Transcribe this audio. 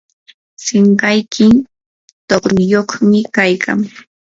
sinqayki tuqruyuqmi kaykan.